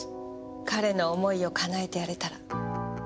彼の思いをかなえてやれたら。